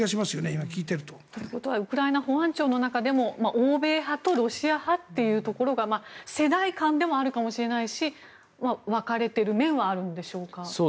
今、聞いていると。ということはウクライナ保安局の中でも欧米派とロシア派というところが世代間でもあるかもしれないし分かれている面はあるのでしょうか。